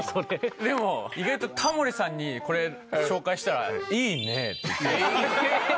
でも意外とタモリさんにこれを紹介したら、いいねって。